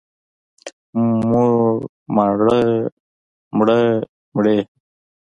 موړ، ماړه، مړه، مړې.